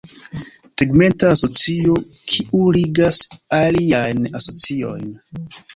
Tegmenta asocio, kiu ligas aliajn asociojn.